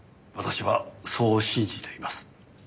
私はそう信じています。